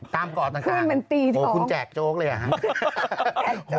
ตามกอบต่างขึ้นมันตีท้องโหคุณแจกโจ๊กเลยหรือยัง